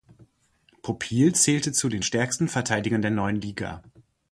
Popiel zählte zu den stärksten Verteidigern der neuen Liga.